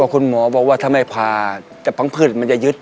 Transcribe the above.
คุณหมอบอกว่าถ้าไม่ผ่าจะพังพืชมันจะยึด